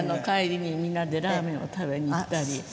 帰りにみんなでラーメンを食べに行ったり。